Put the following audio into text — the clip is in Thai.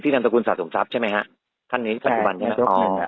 ที่นำตระกูลสาธุมทรัพย์ใช่ไหมฮะท่านนี้ท่านทุกวันนี้อ๋อ